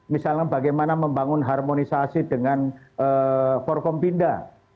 misalnya bagaimana membangun harmonisasi dengan forkompinda